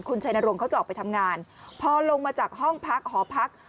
คุณชัยนรงค์เขาจะออกไปทำงานพอลงมาจากห้องพักหอพัก